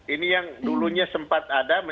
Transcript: ini yang dulunya sempat ada